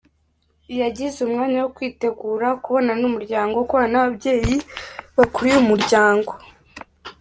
Yagize umwanya wo kwitegura, kubonana n’umuryango, kubonana n’ababyeyi bakuriye umuryango.